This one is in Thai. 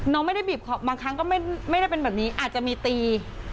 น้องไม่ได้บีบบางครั้งก็ไม่ได้เป็นแบบนี้อาจจะมีตี